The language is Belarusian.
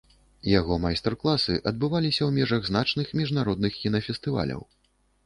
Яго майстар-класы адбываліся і ў межах значных міжнародных кінафестываляў.